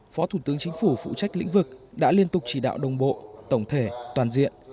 phó thủ tướng chính phủ phụ trách lĩnh vực đã liên tục chỉ đạo đồng bộ tổng thể toàn diện